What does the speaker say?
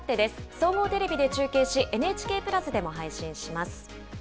総合テレビで中継し、ＮＨＫプラスでも配信します。